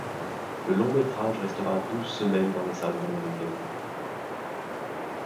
Le long-métrage restera douze semaines dans les salles américaines.